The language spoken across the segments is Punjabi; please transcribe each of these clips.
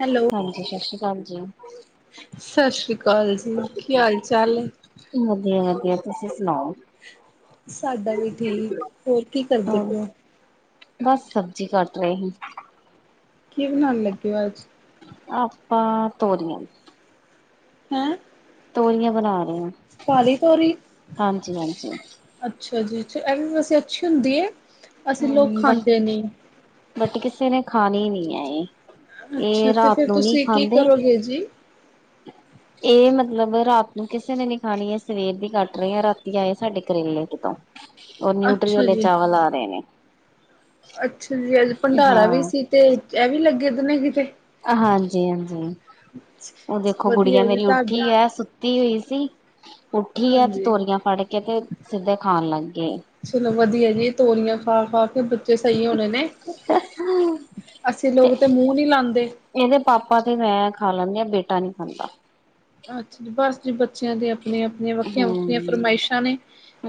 ਹੈਲੋ। ਹਾਂਜੀ, ਸਤਿ ਸ੍ਰੀ ਅਕਾਲ ਜੀ। ਸਤਿ ਸ੍ਰੀ ਅਕਾਲ ਜੀ, ਕੀ ਹਾਲ ਚਾਲ ਏ। ਵਧੀਆ-ਵਧੀਆ, ਤੁਸੀਂ ਸੁਣਾਓ। ਸਾਡਾ ਵੀ ਠੀਕ, ਹੋਰ ਕੀ ਕਰਦੇ ਹੋਰ ਪਏ ਓ? ਬਸ ਸਬਜ਼ੀ ਕੱਟ ਰਹੇ ਸੀ‌। ਕੀ ਬਣਾਣ ਲੱਗੇ ਹੋ ਅੱਜ? ਆਪਾਂ ਤੋਰੀਆਂ। ਹੈਂ। ਤੋਰੀਆਂ ਬਣਾ ਰਹੇ ਹਾਂ ਕਾਲੀ ਤੋਰੀ ਹਾਂਜੀ ਹਾਂਜੀ ਅੱਛਾ ਜੀ ਅੱਛਾ, ਐਵੇ ਵੈਸੇ ਅੱਛੀ ਹੁੰਦੀ ਐ। ਹੂੰ, ਬਟ ਬਟ ਕਿਸੇ ਨੇ ਖਾਣੀ ਨੀ ਏ ਇਹ। ਅੱਛਾ ਇਹ ਤੇ ਰਾਤ ਫਿਰ ਨੂੰ ਨਈ ਤੁਸੀਂ ਕੀ ਖਾਂਦੇ। ਕਰੋਗੇ ਜੀ। [inaudible] ਇਹ ਮਤਲਬ ਰਾਤ ਨੂੰ ਕਿਸੇ ਨੇ ਨੀ ਖਾਣੀ ਐਂ, ਸਵੇਰ ਦੀ ਕੱਟ ਰਹੇ ਆ, ਰਾਤੀ ਆਏ ਸਾਡੇ ਕਰੇਲੇ ਕਿਤੋਂ ਔਰ ਨਿਊਟਰੀ ਅੱਛਾ ਵਾਲੇ ਜੀ। ਚਾਵਲ ਆ ਰਹੇ ਨੇ। ਅੱਛਾ ਜੀ, ਭੰਡਾਰਾ ਵੀ ਹਾਂ ਸੀ ਤੇ ਇਹ ਵੀ ਲੱਗੇ ਨੇ ਕਿਤੇ? ਹਾਂਜੀ-ਹਾਂਜੀ, ਉਹ ਦੇਖੋ ਗੁੜੀਆਂ ਵਧੀਆ ਜੀ ਮੇਰੀ ਤੁਹਾਡਾ, ਊੱਠੀ ਐ। ਤੀ ਹੋਈ ਸੀ। ਉੱਠੀ ਏ ਤੇ ਹਾਂਜੀ। ਤੋਰੀਆਂ ਫੜ ਕੇ ਤੇ ਸਿੱਧੇ ਖਾਣ ਲੱਗ ਗਈ। ਚਲੋ ਵਧੀਆ ਜੀ ਤੋਰੀਆਂ ਖਾ-ਖਾ ਕੇ ਜੇ ਸਹੀ ਹੋਣੇ ਨੇ, ਅੱਸੀ ਲੋਕ ਤੇ ਮੂੰਹ ਨਹੀਂ ਲਾਦੇ। ਇਹਦੇ ਪਾਪਾ ਤੇ ਮੈਂ ਖਾ ਲੈਂਦੀ ਆ, ਬੇਟਾ ਨੀ ਖਾਂਦਾ। ਅੱਛਾ ਜੀ, ਬਸ ਜੀ ਬੱਚਿਆਂ ਦੀ ਆਪਣੀਆਂ-ਆਪਣੀਆਂ ਵੱਖੀਆਂ-ਵੱਖਰੀਆਂ ਹੂੰ। ਫਰਮਾਇਸ਼ਾਂ ਨੇ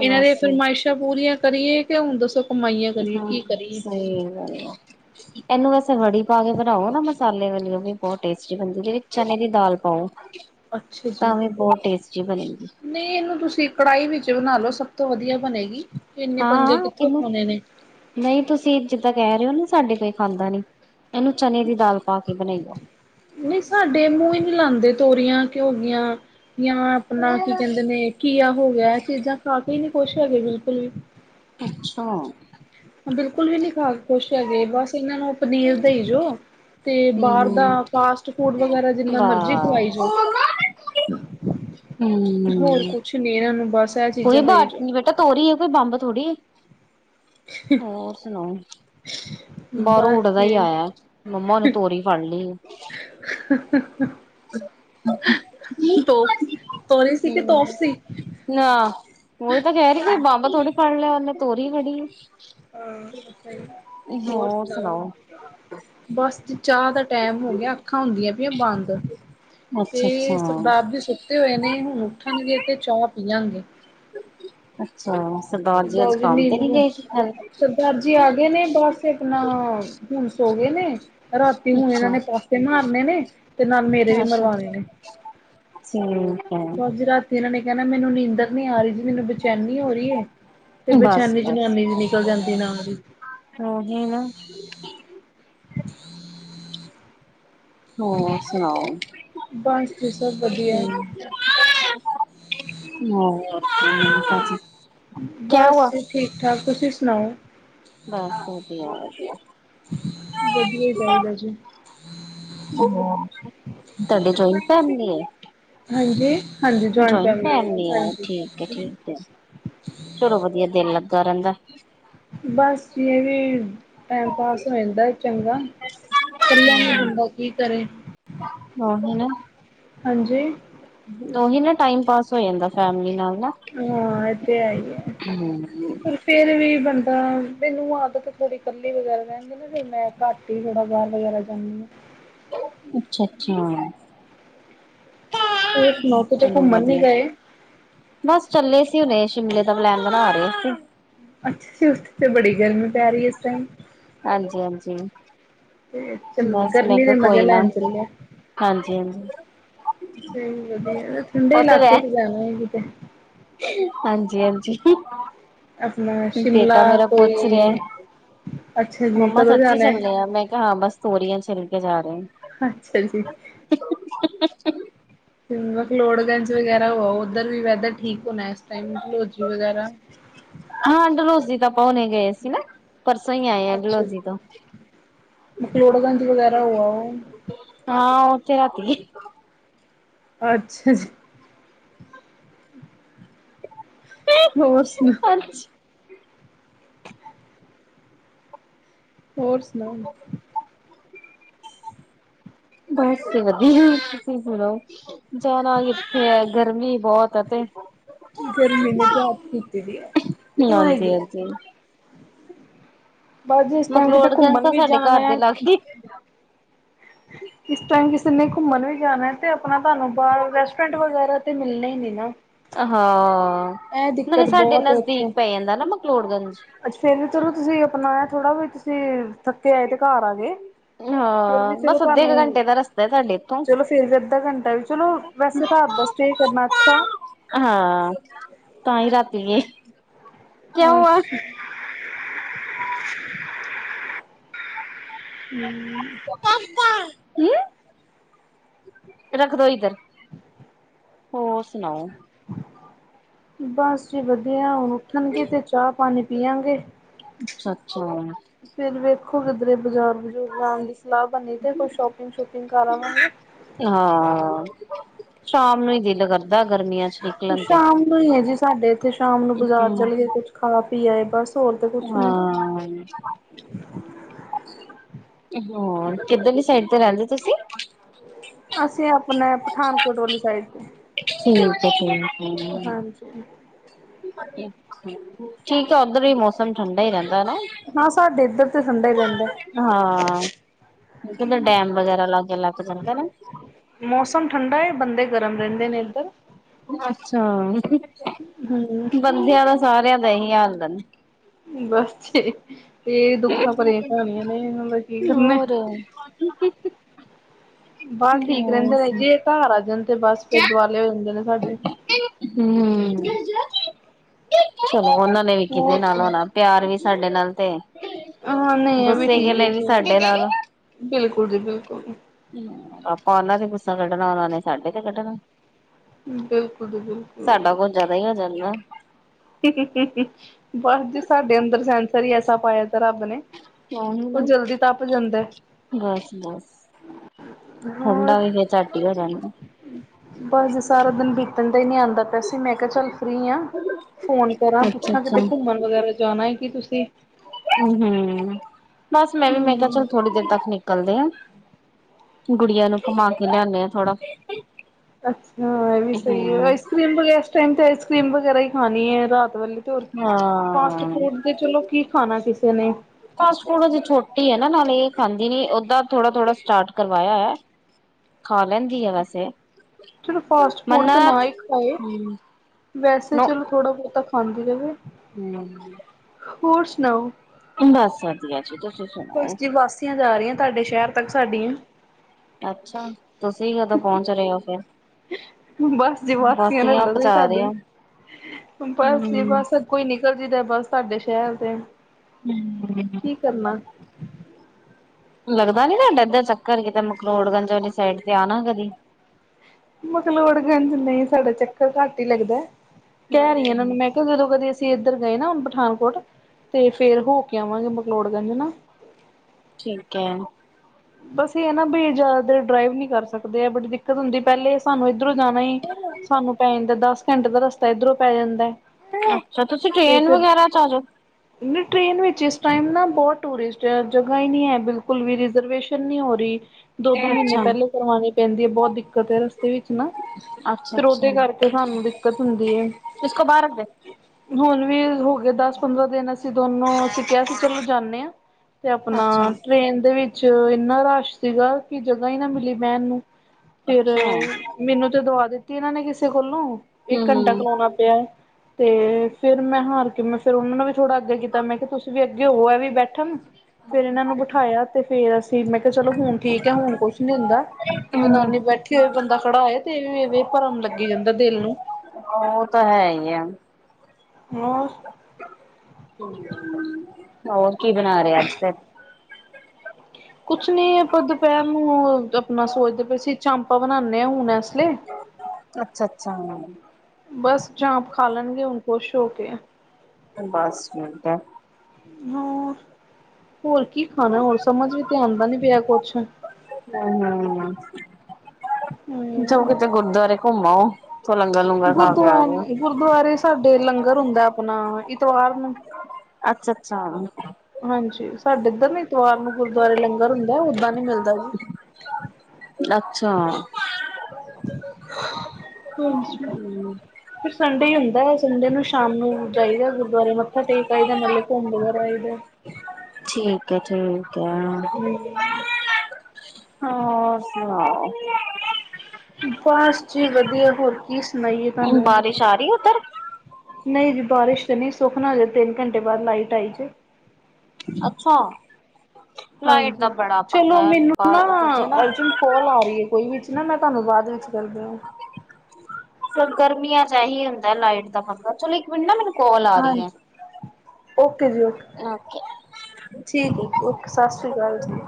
ਇਹਨਾਂ ਦੀ ਫਰਮਾਇਸ਼ਾਂ ਪੂਰੀਆਂ ਕਰੀਏ ਕਿ ਹੁਣ ਦੱਸੋ ਕਮਾਈਆਂ ਕਰੀਏ ਹਾਂ ਕੀ ਕਰੀਏ ਸਹੀ ਗੱਲ ਏ। ਇਹਨੂੰ ਵੈਸੇ ਵੜੀ ਪਾ ਕੇ ਬਣਾਓ ਨਾ ਮਸਾਲੇ ਵਾਲੀ ਬਹੁਤ ਟੇਸਟੀ ਬਣਦੀ ਲੇਕਿਨ ਚਨੇ ਦੀ ਦਾਲ ਪਾਓ। ਤਾਂ ਵੀ ਬਹੁਤ ਟੇਸਟੀ ਬਣੇਗੀ। ਨਈ ਇਹਨੂੰ ਤੁਸੀਂ ਕੜਾਹੀ ਵਿੱਚ ਬਣਾ ਲਓ, ਸਭ ਤੋਂ ਵਧੀਆ ਬਣੇਗੀ ਇੰਨੇ ਪੰਗੇ ਕਿੱਥੋਂ ਪਾਉਣੇ ਨੇ। ਨਈ, ਤੁਸੀਂ ਜਿੱਦਾਂ ਕਹਿ ਰਹੇ ਹੋ ਨਾ, ਸਾਡੇ ਕੋਈ ਖਾਂਦਾ ਨਹੀਂ ਇਹਨੂੰ ਚਨੇ ਦੀ ਦਾਲ ਪਾ ਕੇ ਬਣਾਈਓ ਨੀ ਸਾਡੇ ਮੂੰਹ ਹੀ ਨਹੀਂ ਲਾਦੇ, ਤੋਰੀਆਂ ਹੋ ਗਈਆਂ ਜਾਂ ਆਪਣਾ ਕੀ ਕਹਿੰਦੇ ਨੇ ਘੀਆ ਹੋ ਗਿਆ। ਇਹ ਚੀਜ਼ਾਂ ਖਾ ਕੇ ਹੀ ਨੀ ਖੁਸ਼ ਹੈਗੇ ਬਿਲਕੁੱਲ ਵੀ। ਅੱਛਾ। ਬਿਲਕੁਲ ਵੀ ਨੀ ਖਾ ਖੁਸ਼ ਹੈਗੇ ਬਸ ਇਹਨਾਂ ਨੂੰ ਪਨੀਰ ਦੇਈ ਜੋਓ। ਤੇ ਬਾਹਰ ਦਾ ਹੂੰ-ਹੂੰ। ਫਾਸਟ ਫੂਡ ਵਗੈਰਾ ਜਿੰਨਾ ਮਰਜ਼ੀ ਖਵਾਈ ਬਸ ਜਾਓ। ਹਮ ਹਮਮ। ਚੇਰਾਂ ਨੂੰ ਬਸ ਇਹ ਕੋਈ ਚੀਜ਼ਾਂ ਦਈ ਜੋ ਬਾਤ ਨੀ ਬੇਟਾ ਤੋਰੀਏ ਕੋਈ ਬੰਬ ਥੋੜ੍ਹੀ ਹੋਰ ਸੁਣਾਓ। ਬਾਹਰੋਂ ਬਸ ਉੱਡਦਾ ਹੀ ਜੀ ਆਇਆ। ਮੰਮਾ ਉਨੇ ਤੋਰੀ ਫੜ ਲਈ ਏ। [unintelligible] ਤੋਪ ਤੋਰੀ ਸੀ ਕਿ ਤੋਪ ਸੀ। ਨਾਹ ਉਹੀ ਤਾਂ ਕਹਿ ਰਹੀ ਬੰਬ ਥੋੜੀ ਫੜ ਲਿਆ, ਉਹਨੇ ਤੋਰੀ ਫੜੀ ਏ। ਹਾਂ ਸਹੀ ਗੱਲ, ਹੋਰ ਸੁਣਾਓ ਬਸ ਚਾਹ ਦਾ ਟੈਮ ਹੋ ਗਿਆ, ਅੱਖਾਂ ਹੁੰਦੀਆਂ ਪਈਆਂ ਬੰਦ ਅੱਛਾ ਤੇ ਅੱਛਾ ਸਰਦਾਰ ਦੀ ਸ ਤੇ ਹੋਏ ਨੇ ਹੁਣ ਉੱਠਣਗੇ ਤੇ ਚਾਹ ਪਿਆਗੇ। ਅੱਛਾ, ਸਰਦਾਰ ਸਰਦਾਰ ਅੱਜ ਜੀ ਕੰਮ ਤੇ ਨੀ ਗਏ ਸੀ ਕੱਲ ਸਰਦਾਰ ਜੀ ਆ ਗਏ ਨੇ ਬਸ ਆਪਣਾ ਹੁਣ ਸੋ ਗਏ ਨੇ, ਰਾਤੀ ਹੁਣ ਇਹਨਾਂ ਅੱਛਾ ਨੇ ਪਾਸੇ ਮਾਰਨੇ ਨੇ, ਤੇ ਨਾਲ ਮੇਰੇ ਵੀ ਅੱਛਾ ਮਰਵਾਣੇ ਨੇ। [unintelligible] ਅੱਜ ਰਾਤੀ ਇਹਨਾਂ ਨੇ ਕਹਿਣਾ ਮੈਨੂੰ ਨੀਂਦਰ ਨੀ ਆ ਰਹੀ ਜੀ ਮੈਨੂੰ ਬੇਚੈਨੀ ਹੋ ਰਹੀ ਹੈ। ਤੇ ਬਸ ਬੇਚੈਨੀ ਜਨਾਨੀ ਦੀ ਨਿਕਲ ਜਾਂਦੀ ਨਾਲ ਦੀ, ਔਹੀ ਨਾ [unintelligible] [unintelligible] ਹੋਰ ਸੁਣਾਓ? ਬਸ ਜੀ ਸਭ ਵਧੀਆ ਹੂੰ, [unintelligible] ਕਿਆ ਬਸ ਹੁਆ? ਠੀਕ-ਠਾਕ, ਤੁਸੀਂ ਸੁਣਾਓ? ਬਸ ਵਧੀਆ-ਵਧੀਆ, ਵਧੀਆ ਹੀ ਚਾਹੀਦਾ ਜੀ। ਹੂੰ, ਤੁਹਾਡੀ ਜੁਆਇੰਟ ਫੈਮਲੀ ਹੈ? ਹਾਂਜੀ ਹਾਂਜੀ ਜੁਆਇੰਟ ਫੈਮਿਲੀ ਹੈ ਜੀ ਫੈਮਲੀ ਆ ਹਾਂਜੀ। ਠੀਕ, ਠੀਕ ਐ, ਚਲੋ ਵਧੀਆ ਦਿਲ ਲੱਗਾ ਰਹਿੰਦਾ। ਬਸ ਕੀਵੀ ਟਾਈਮ ਪਾਸ ਹੋ ਜਾਂਦਾ ਚੰਗਾ, ਇਕਲਿਆ ਨੂੰ ਬੰਦਾ ਕੀ ਕਰੇ। ਹਾਂ ਹਨਾ, ਹਾਂਜੀ, ਉਹੀ ਨਾ ਟਾਈਮ ਪਾਸ ਹੋ ਜਾਂਦਾ ਫੈਮਲੀ ਨਾਲ ਨਾ, ਹਾਂ ਇਹ ਤੇ ਹੈ ਹੀ ਆ। ਫਿਰ ਵੀ ਬੰਦਾ ਮੈਨੂੰ ਆਦਤ ਥੋੜੀ ਕੱਲੀ ਵਗੈਰਾ ਰਹਿੰਦੀ, ਨਾ ਮੈਂ ਘੱਟ ਹੀ ਥੋੜਾ ਵਗੇਰਾ [unintelligible] ਅੱਛਾ-ਅੱਛਾ, ਹੋਰ ਸੁਣਾਓ ਕਿਤੇ ਚਲੋ ਘੁੰਮਣ ਨੀ ਵਧੀਆ। ਗਏ? ਬਸ ਚੱਲੇ ਸੀ, ਹੁਣੇ ਸ਼ਿਮਲੇ ਦਾ ਪਲੈਨ ਬਣਾ ਰਹੇ ਸੀ। ਅੱਛਾ, ਉੱਥੇ ਤੇ ਬੜੀ ਗਰਮੀ ਪੈ ਰਹੀ ਹੈ ਇਸ ਟਾਈਮ। ਹਾਂਜੀ-ਹਾਂਜੀ। ਤੇ ਚਲੋ ਜੀ, ਬਸ ਮੈਂ ਗਰਮੀ ਕਿਹਾ ਦੇ ਮਜ਼ੇ ਕੋਈ ਨਾ ਲੈਣ ਚੱਲੇ ਆਂ। ਹਾਂਜੀ-ਹਾਂਜੀ। ਸਹੀ ਵਧੀਆ, ਠੰਡੇ ਉਹ ਤੇ ਵੈ ਇਲਾਕੇ ਚ ਜਾਨੇ ਆਂ ਕਿਤੇ ਹਾਂਜੀ-ਹਾਂਜੀ, ਆਪਣਾ ਬੇਟਾ ਸ਼ਿਮਲਾ ਮੇਰਾ ਪੁੱਛ ਰਿਹਾ ਏ, ਕੋਈ ਅੱਛਾ ਜੀ ਮੰਮਾ ਕਦੋਂ ਸੱਚੀ ਜਾਣਾ ਹੈ? ਚੱਲੇ ਆਂ, ਮੈਂ ਕਿਹਾ ਹਾਂ ਬਸ ਤੋਰੀਆਂ ਛਿੱਲ ਕੇ ਜਾ ਰਹੇ ਆਂ। ਅੱਛਾ ਜੀ। [unintelligible] ਮਕਲੋੜਗੰਜ ਵਗੈਰਾ ਹੋ ਆਓ, ਓਧਰ ਵੈਦਰ ਠੀਕ ਹੋਣਾ, ਇਸ ਟਾਈਮ ਡਲਹੌਜੀ ਵਗੈਰਾ। ਹਾਂ ਡਲਹੋਜੀ ਤਾਂ ਆਪਾਂ ਹੁਣੇ ਗਏ ਸੀ, ਨਾ ਪਰਸੋਂ ਹੀ ਆਏ ਅੱਛਾ ਜੀ ਡਲਹੋਜੀ ਤੋਂ ਮਕਲੋੜਗੰਜ ਵਗੈਰਾ ਹੋ ਆਉ, ਹਾਂ ਉਹ ਤੇੇ ਰਾਤੀ, ਅੱਛਾ ਜੀ। ਹੋਰ ਸੂਨਾ, [unintelligible] ਹੋਰ ਸੁਣਾਓ? ਬਹੁਤ ਵਧੀਆ, ਤੁਸੀਂ ਸੁਣਾਉ ਜਾਣਾ ਕਿੱਥੇ ਐ? ਗਰਮੀਂ ਬਹੁਤ ਤੇ, ਗਰਮੀਂ ਨੇ ਤੇ ਅੱਤ ਕੀਤੀ ਪਈ ਹੈ। ਹਾਂਜੀ ਹਾਂਜੀ ਬਸ ਜੀ ਇਸ ਟਾਈਮ ਕਿਤੇ ਮਕਲੋੜਗੰਜ ਘੁੰਮਣ ਤਾਂ ਵੀ ਸਾਡੇ ਜਾਣਾ ਘਰ ਦੇ ਹੈ। ਲਾਗੇ ਹੀ, ਇਸ ਟਾਈਮ ਕਿਸੇ ਨੇ ਘੁੰਮਣ ਵੀ ਜਾਣਾ ਤੇ ਆਪਣਾ ਤੁਹਾਨੂੰ ਬਾਹਰ ਰੈਸਟੋਰੈਂਟ ਵਗੈਰਾ ਤੇ ਮਿਲਣੇ ਨਹੀ ਨਾ। ਅ ਹਾਂ, ਇਹ ਨਹੀਂ ਦਿੱਕਤ ਸਾਡੇ ਬਹੁਤ ਹੈ ਨਜ਼ਦੀਕ ਉੱਥੇ। ਪੈ ਜਾਂਦਾ ਨਾ ਮਕਲੋੜਗੰਜ। ਅੱਛਾ ਜੀ, ਚਲੋ ਤੁਸੀਂ ਆਪਣਾ, ਥੋੜ੍ਹਾ ਜਾ ਤੁਸੀਂ ਥੱਕੇ ਆਏ ਤੇ ਘਰ ਆ ਗਏ। ਫਿਰ ਵੀ ਚਲੋ ਤੁਹਾਨੂੰ ਹਲੇ ਤਾਂ ਚਲੋ ਫੇਰ ਜੇ ਅੱਧਾ ਘੰਟਾ ਵੀ ਚਲੋ, ਵੈਸੇ ਤਾਂ ਆਪਣਾ ਸਟੇਅ ਕਰਨਾ ਅੱਛਾ ਹਾਂ, ਤਾਂ ਹੀ ਰਾਤੀਂ ਗਏ ਕਿਉਂ ਆ ਅੱਛਾ। ਹਮ। ਹਮ। ਰੱਖ ਦੋ ਇਧਰ। ਹੋਰ ਸੁਣਾਓ। ਬੱਸ ਵਧੀਆ ਹੁਣ ਉਠਣਗੇ ਤੇ ਚਾਹ ਪਾਣੀ -ਪੀਵਾਂਗੇ। ਅੱਛਾ ਅੱਛਾ ਫੇਰ ਵੇਖੋ ਕਿਧਰੇ ਬਜ਼ਾਰ-ਬਜੂਰ ਜਾਣ ਦੀ ਸਲਾਹ ਬਣੀ ਤੇ ਕੋਈ ਸ਼ੋਪਿੰਗ-ਸੂਪਿੰਗ ਕਰ ਆਵਾਂਗੇ। ਹਾਂ, ਸ਼ਾਮ ਨੂੰ ਹੀ ਦਿਲ ਕਰਦਾ ਗਰਮੀਆਂ 'ਚ ਨਿਕਲਣ ਤੇ ਸ਼ਾਮ ਨੂੰ ਹੀ ਏ ਜੀ ਸਾਡੇ ਇੱਥੇ, ਸ਼ਾਮ ਨੂੰ ਬਾਜ਼ਾਰ ਹਾਂ ਚਲ ਗਏ, ਕੁਛ ਖਾ-ਪੀ ਆਏ ਬੱਸ। ਹਾਂ। ਏ ਵੀ ਹਾਂ। ਕਿੱਧਰਲੀ ਸਾਈਡ ਤੇ ਰਹਿੰਦੇ ਤੁਸੀਂ? ਅਸੀਂ ਆਪਣਾ ਪਠਾਨਕੋਟ ਵਾਲੀ ਸਾਈਡ ਤੋਂ। ਠੀਕ ਹੈ ਠੀਕ ਐ। ਠੀਕ ਐ, ਉੱਧਰ ਵੀ ਮੌਸਮ ਠੰਡਾ ਹੀ ਰਹਿੰਦਾ ਨਾ। ਹਾਂ, ਸਾਡੇ ਇੱਧਰ ਤੇ ਠੰਡਾ ਰਹਿੰਦਾ। ਹਾਂ ਕਿਉਂਕਿ ਡੈਮ ਵਗੈਰਾ ਲਾਗੇ ਲੱਗ ਜਾਂਦਾ ਨਾ। ਮੌਸਮ ਠੰਡਾ ਏ, ਬੰਦੇ ਗਰਮ ਰਹਿੰਦੇ ਨੇ ਇੱਧਰ। ਅੱਛਾ। ਹੂੰ। ਬੰਦਿਆਂ ਦਾ ਸਾਰਿਆਂ ਦਾ ਇਹੀ ਹਾਲ ਰਹਿੰਦਾ। ਬਸ ਠੀਕ। ਇਹ ਦੁੱਖਾਂ ਭਰੀਆਂ ਕਹਾਣੀਆਂ ਨੇ ਇਹਨਾਂ ਦਾ ਕੀ ਕਰਨਾ। ਹੋਰ ਬਾਹਰ ਠੀਕ ਹੂੰ ਰਹਿੰਦੇ ਨੇ, ਜੇ ਘਰ ਆ ਜਾਣ ਤੇ ਬਸ ਫਿਰ ਦੁਆਲੇ ਹੋ ਜਾਂਦੇ ਨੇ ਸਾਡੇ। ਹਮ। ਚਲੋ ਉਹਨਾਂ ਨੇੇ ਵੀ ਕੀਦੇ ਹੋਰ ਨਾਲ ਹੋਨਾ। ਪਿਆਰ ਵੀ ਸਾਡੇ ਨਾਲ ਤੇ ਹਾਂ ਨਹੀਂ ਇਹ ਵੀ ਗੁੱਸੇ ਠੀਕ ਹੈ ਗਿਲੇ ਵੀ ਜੀ ਸਾਡੇ ਨਾਲ ਬਿਲਕੁਲ ਜੀ ਬਿਲਕੁਲ। ਹਮ ਆਪਾਂ ਉਹਨਾਂ ਦਾ ਗੁੱਸਾ ਕੱਢਣਾ ਉਹਨਾਂ ਨੇ ਸਾਡੇ ਤੇ ਕੱਢਣਾ। ਬਿਲਕੁਲ ਬਿਲਕੁਲ। ਸਾਡਾ ਕੁਝ ਜਿਆਦਾ ਹੀ ਹੋ ਜਾਂਦਾ। ਬਸ ਜੇ ਸਾਡੇ ਅੰਦਰ ਸੈਂਸਰ ਹੀ ਐਸਾ ਪਾਇਆ ਤਾਂ ਰੱਬ ਨੇ। ਉਹ ਚ ਜਲਦੀ ਤੱਪ ਜਾਂਦਾ। ਬਸ ਬਸ। ਹੋਰ ਠੰਡਾ ਵੀ ਫਿਰ ਝਟ ਹੀ ਹੋ ਜਾਣਾ। ਬਸ ਜੀ ਸਾਰਾ ਦਿਨ ਬੀਤਣ ਤੇ ਹੀ ਨਹੀਂ ਆਉਂਦਾ ਪਿਆ ਸੀ, ਮੈਂ ਕਿਹਾ ਚੱਲ ਫਰੀ ਹਾਂ ਫੋਨ ਕਰਾਂ ਅੱਛਾ ਪੁੱਛਾਂ, ਅੱਛਾ ਕਿਤੇ ਘੁੰਮਣ ਵਗੈਰਾ ਜਾਣਾ ਹੈ ਕੀ ਤੁਸੀਂ। ਹਮ ਹਮ। ਬੱਸ ਮੈਂ ਵੀ ਮੈਂ ਕਿਹਾ, ਹੂੰ। ਚੱਲ ਥੋੜੀ ਦੇਰ ਤੱਕ ਨ ਨਿਕਲਦੇ ਆਂ, ਗੁੜੀਆ ਨੂੰ ਘੁੰਮਾ ਕੇ ਲਿਆਨੇ ਆਂ। ਅੱਛਾ, ਇਹ ਵੀ ਸਹੀ ਹੂੰ ਹੈ। ਕਰ੍ਰੀਮ ਇਸ ਟਾਈਮ ਤੇ ਆਈਸਕਰੀਮ ਵਗੈਰਾ ਹੀ ਖਾਣੀ ਹੈ, ਰਾਤ ਵੇ ਤੇ ਹੋਰ ਕੀ ਫਾਸਟ ਹਾਂ ਫੂਡ ਤੇ ਚਲੋ ਕੀ ਖਾਣਾ ਕਿਸੇ ਨੇ। ਫਾਸਟ ਫੂਡ ਅਜੇ ਛੋਟੀ ਏ ਨਾ, ਨਾਲ ਇਹ ਖਾਂਦੀ ਨੀ, ਓਦਾਂ ਥੋੜਾ-ਥੋੜਾ ਸਟਾਰਟ ਕਰਵਾਇਆ ਹੈ। ਖਾ ਲੈਂਦੀ ਹੈ ਵੈਸੇ। ਚਲੋ, ਫਾਸਟ ਫੂਡ ਤੇ ਨਾ ਮੰਨਤ ਹੀ ਖਾਏ ਵੈਸੇ, ਚਲੋ ਥੋੜਾ-ਬਹੁਤਾ ਖਾਂਦੀ ਰਵੇ। ਹੂੰ।। ਹੋਰ ਸੁਣਾਓ? ਬਸ ਵਧੀਆ ਜੀ ਤੁਸੀਂ ਸੁਣਾਓ? ਤੀਆਂ ਜਾ ਰਹੀਆਂ ਤੁਹਾਡੇ ਸ਼ਹਿਰ ਤੱਕ ਸਾਡੀਆਂ। ਅੱਛਾ ਤੁਸੀਂ ਕਦੋਂ ਪਹੁੰਚ ਰਹੇ ਹੋ ਫਿਰ? ਬਸ ਜੀ ਵਾਸੀਆਂ ਬਾਸੀਆਂ ਲਲੋ ਤੁ ਪਹੁੰਚਾ ਰਹੇ ਸਾਡੀ ਹੋ। ਬਸ ਜੀ ਹੂੰ ਬਸ। ਕੋਈ ਨਿਕਲ ਜੀਦਾ ਬਸ ਤੁਹਾਡੇ ਸ਼ਹਿਰ ਤੇ। ਹੂੰ। ਕੀ ਕਰਨਾ। ਲੱਗਦਾ ਨੀ ਨਾ ਤਾਡਾ ਐਧਰ ਚੱਕਰ ਕਿਤੇ ਮਕਰੋੜਗੰਜ ਵਾਲੀ ਸਾਈਡ ਤੇ ਆਉਣਾ ਕਦੀ। ਮਕਲੋੜਗੰਜ ਨਹੀਂ ਸਾਡਾ ਚੱਕਰ ਘੱਟ ਹੀ ਲੱਗਦਾ ਕਹਿ ਰਹੀ ਹ ਇਹਨਾਂ ਨੂੰ ਮੈਂ ਤੇ ਜਦੋਂ ਕਦੇ ਅਸੀਂ ਇੱਧਰ ਗਏ ਨਾ ਹੁਣ ਪਠਾਨਕੋਟ ਤੇ ਫੇਰ ਹੋ ਕੇ ਆਵਾਂਗੇ ਮਕਲੋੜਗੰਜ ਨਾ। ਠੀਕ ਹੈ। ਬਸ ਇਹ ਨਾ ਬ ਜ਼ਿਆਦਾ ਦੇਰ ਡਰਾਈਵ ਨੀ ਕਰ ਸਕਦੇ ਆ ਬੜੀ ਦਿੱਕਤ ਹੁੰਦੀ ਪਹਿਲੇ ਸਾਨੂੰ ਇੱਧਰੋਂ ਜਾਣਾ ਹੀ, ਸਾਨੂੰ ਪੈ ਜਾਂਦਾ ਦਸ ਘੰਟੇ ਦਾ ਰਸਤਾ ਇੱਧਰੋਂ ਪੈ ਜਾਂਦਾ। ਅੱਛਾ ਤੁਸੀਂ ਟੇਰਨ ਵਗੈਰਾ ਚ ਆ ਜਾਓ। ਨਈ ਟ੍ਰੇਨ ਵਿੱਚ ਇਸ ਟਾਈਮ ਨਾ ਬਹੁਤ ਟੂਰਿਸਟ ਐ ਜਗ੍ਹਾ ਹੀ ਨਹੀਂ ਹੈ ਬਿਲਕੁਲ ਵੀ ਰਿਜ਼ਰਵੇਸ਼ਨ ਨ ਹੋ ਰਹੀ ਦੋ-ਦੋ ਮਹੀਨੇ ਅੱਛਾ ਪਹਿਲੇ ਕਰਵਾਉਣੀ ਪੈਂਦੀ ਹੈ ਬਹੁਤ ਦਿੱਕਤ ਹੈ ਰਸਤੇ ਵਿੱਚ ਨਾ। ਅੱਛਾ ਫਿਰ ਉਹਦੇ ਅੱਛਾ ਕਰਕੇ ਹਾਨੂੰ ਦਿੱਕਤ ਹੁੰਦੀ ਹੈ। ਇਸਕੋ ਬਾਹਰ ਰੱਖ ਦੇ ਹੁਣ ਵੀ ਹੋ ਗਏ ਦਸ ਪੰਦਰਾਂ ਦਿਨ ਅਸੀਂ ਦੋਨੋ ਅਸੀਂ ਕਿਹਾ ਸੀ ਚਲੋ ਜਾਂਨੇ ਹਾਂ। ਤੇ ਆਪਣਾ ਅੱਛਾ ਟ੍ਰੇਨ ਦੇ ਵਿੱਚ ਇੰਨਾ ਰਸ਼ ਸੀਗਾ ਕਿ ਜਗ੍ਹਾ ਹੀ ਨਾ ਮਿਲੀ ਬਹਿਣ ਨੂੰ ਫੇਿਰ ਅੱਛਾ ਮੈਨੂੰ ਤੇ ਦਵਾ ਦਿੱਤੀ ਇਹਨਾਂ ਨੇ ਕਿਸੇ ਕੋਲੋਂ ਇੱਕ ਘੰਟਾ ਹੂੰ ਖਲੋਣਾ ਪਿਆ ਤੇ ਫੇਿਰ ਮੈਂ ਹਾਰ ਕੇ ਮੈਂ ਫੇਿਰ ਉਹਨਾਂ ਨੂੰ ਵੀ ਥੋੜਾ ਅੱਗੇ ਕੀਤਾ ਮੈਂ ਕਿਹਾ ਤੁਸੀਂ ਵੀ ਅੱਗੇ ਗੇ ਹੋਵੋ ਏ ਵੀ ਬੈਠਣ ਫੇਰ ਇਹਨਾਂ ਨੂੰ ਬਿਠਾਇਆ ਤੇ ਫੇਰ ਅਸੀਂ ਮੈਂ ਕਿਹਾ ਚਲੋ ਹੁਣ ਠੀਕ ਹੈ ਹੁਣ ਕੁਛ ਨੀ ਹੁੰਦਾ। ਹੂੰ ਜਨਾਨੀ ਬੈਠੀ ਹੋਏ ਬੰਦਾ ਖੜਾ ਹੋਵੇ ਤੇ ਇਹ ਵੀ ਵੇਖ-ਵੇਖ ਭਰਮ ਲੱਗੀ ਜਾਂਦਾ ਦਿਲ ਨੂੰ। ਹਾਂ ਉਹ ਤਾਂ ਹੈ ਹੀ ਆ। ਹੋ। ਹੋਰ ਕੀ ਬਣਾ ਰਹੇ ਅੱਜ ਫਿਰ? ਕੁਛ ਨਹੀਂ ਆਪਾਂ ਦੁਪਹਿਰ ਨੂੰ ਓਹ ਆਪਣਾ ਸੋਚਦੇ ਪਏ ਸੀ ਚਾਪਾ ਬਣਾਉਦੇ ਹਾਂ ਹੁਣ ਏਸਲੇ ਅੱਛਾ-ਅੱਛਾ ਬਸ ਚਾਂਪ ਖਾ ਲੈਣਗੇ ਹੁਣ ਖੁਸ਼ ਹੋ ਕੇ। ਬਸ ਮਿਲਦਾ ਹਾਂ, ਹੋਰ ਕੀ ਖਾਣਾ ਹੋਰ ਸਮਝ ਵੀ ਨੀ ਪਿਆ ਕੁਛ। ਹੂੰ, ਜਾੳ ਹਮ ਕਿਤੇ ਗੁਰਦੁਆਰੇ ਘੁੰਮ ਆਓ। ਲੰਗਰ ਲੂੰਗਰ ਖਾ ਕੇ ਆ ਜਾਓ ਗੁਰਦੁਆਰੇ ਗੁਰਦੁਆਰੇ ਸਾਡੇ ਲੰਗਰ ਹੁੰਦਾ ਆਪਣਾ ਇਤਵਾਰ ਨੂੰ। ਅੱਛਾ-ਅੱਛਾ ਹਾਂਜੀ ਸਾਡੇ ਇੱਧਰ ਨਾ ਇਤਵਾਰ ਨੂੰ ਗੁਰਦੁਆਰੇ ਲੰਗਰ ਹੁੰਦਾ ਓਦਾਂ ਨੀ ਮਿਲਦਾ ਜੀ। ਅੱਛਾ। ਹਾਂਜੀ। ਫਿਰ ਸੰਡੇ ਹੀ ਹੁੰਦਾ ਹੈ, ਸੰਡੇ ਨੂੰ ਸ਼ਾਮ ਨੂੰ ਜਾਈਦਾ ਗੁਰਦੁਆਰੇ ਮੱਥਾ ਟੇਕ ਆਈਦਾ ਨਾਲੇ ਘੁੰਮ ਵਗੈਰਾ ਆਈਦਾ। ਠੀਕ ਐ, ਠੀਕ ਹੈ। ਹੂੰ। ਹਾਂ ਹੋਰ ਸੁਣਾਓ? ਬਸ ਜੀ ਵਧੀਆ ਹੋਰ ਕੀ ਸੁਣਾਈਏ ਤੁਹਾਨੂੰ ਬਾਰਿਸ਼ ਆ ਰਹੀ ਉੱਧਰ ਨਹੀਂ ਜੀ ਬਾਰਿਸ਼ ਤੇ ਨਹੀਂ ਸੁਖਨਾ ਹਜੇ ਤਿੰਨ ਘੰਟੇ ਬਾਅਦ ਲਾਈਟ ਆਈ ਜੇ। ਅੱਛਾ। ਲਾਈਟ ਦਾ ਹਾਂਜੀ ਬੜਾ ਚਲੋ ਪੰਗਾ ਮੈਨੂੰ ਨਾ ਹੈ। ਉੱਥੇ ਚ ਨਾ ਅਰਜਨਟ। ਕੋਲ ਆ ਰਹੀ ਹੈ ਕੋਈ ਵੀ ਵਿੱਚ ਨਾ ਮੈਂ ਤੁਹਾਨੂੰ ਬਾਅਦ ਵਿੱਚ ਕਰਦੀ ਹਾਂ। ਗਰਮੀਆਂ ਚ ਇਹੀ ਹੁੰਦਾ ਲਾਈਟ ਦਾ ਪੰਗਾ ਚਲੋ ਇੱਕ ਮਿੰਟ ਨਾ ਮੈਨੂੰ ਕਾਲ ਆ ਰਹੀ ਹੈ। ਹਾਂਜੀ ਓਕੇ ਜੀ ਓਕੇ ਓਕੇ ਠੀਕ ਹੈ ਜੀ ਓਕੇ ਸਤਿ ਸ਼੍ਰੀ ਅਕਾਲ ਜੀ।